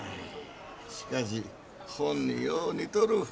しかしほんによう似とる。